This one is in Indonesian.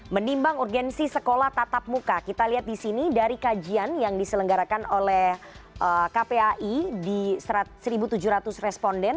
menimbang urgensi sekolah tatap muka kita lihat di sini dari kajian yang diselenggarakan oleh kpai di satu tujuh ratus responden